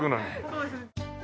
そうですね。